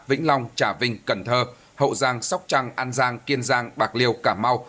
vĩnh long trà vinh cần thơ hậu giang sóc trăng an giang kiên giang bạc liêu cảm mau